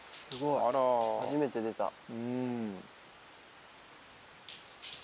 すごい初めて出た。